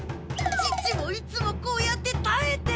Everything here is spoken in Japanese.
父もいつもこうやって耐えて。